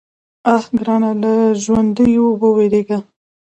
_اه ګرانه! له ژونديو ووېرېږه.